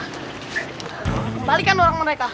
kembalikan orang mereka